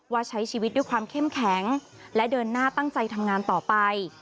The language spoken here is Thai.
ใช้ชีวิตด้วยความเข้มแข็งและเดินหน้าตั้งใจทำงานต่อไป